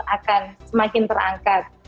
akan semakin terangkat